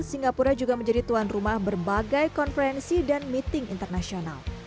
singapura juga menjadi tuan rumah berbagai konferensi dan meeting internasional